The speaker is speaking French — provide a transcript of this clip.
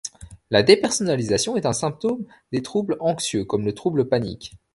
La dépersonnalisation est un symptôme des troubles anxieux, comme le trouble panique.